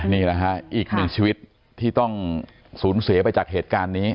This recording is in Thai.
นี่แหละฮะอีกหนึ่งชีวิตที่ต้องสูญเสียไปจากเหตุการณ์นี้